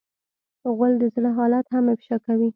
غول د زړه حالت هم افشا کوي.